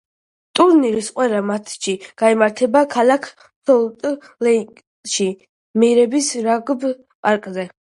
ტურნირის ყველა მატჩი გაიმართება ქალაქ სოლტ-ლეიკ-სიტიში მურეი რაგბი პარკზე.